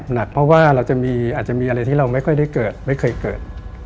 หนักเพราะว่าเราจะมีอาจจะมีอะไรที่เราไม่ค่อยได้เกิดไม่เคยเกิด